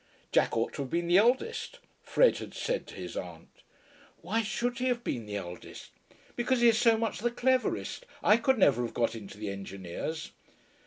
"Jack ought to have been the eldest," Fred had said to his aunt. "Why should he have been the eldest?" "Because he is so much the cleverest. I could never have got into the Engineers."